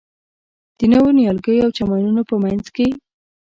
د نویو نیالګیو او چمنونو په منځ کې.